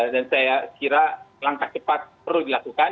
dan saya kira langkah cepat perlu dilakukan